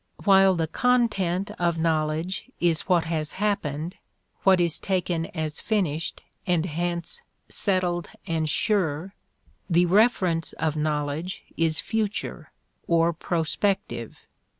While the content of knowledge is what has happened, what is taken as finished and hence settled and sure, the reference of knowledge is future or prospective.